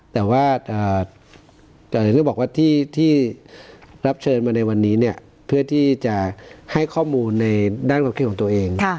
แต่ว่าบอกว่าที่รับเชิญมาในวันนี้เนี่ยเพื่อที่จะให้ข้อมูลในด้านความคิดของตัวเอง